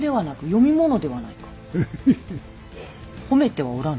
褒めておらぬ。